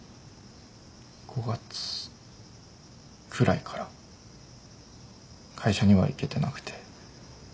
５月くらいから会社には行けてなくて。